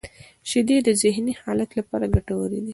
• شیدې د ذهنی حالت لپاره ګټورې دي.